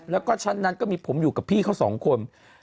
แล้วก็ชั้นนั้นก็มีผมอยู่กับพี่เขาสองคน